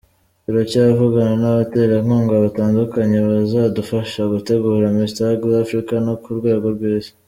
Turacyavugana n’abaterankunga batandukanye bazadufasha gutegura Mr Ugly Africa no ku rwego rw’Isi”.